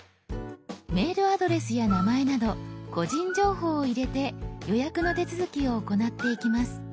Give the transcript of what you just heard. メールアドレスや名前など個人情報を入れて予約の手続きを行っていきます。